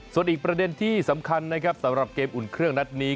ส่วนอีกประเด็นที่สำคัญนะครับสำหรับเกมอุ่นเครื่องนัดนี้